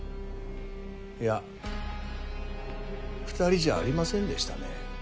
いや「２人」じゃありませんでしたね。